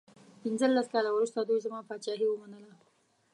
پنځلس کاله وروسته دوی زما پاچهي ومنله.